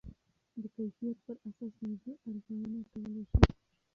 د کیفیت پر اساس ویډیو ارزونه کولی شئ.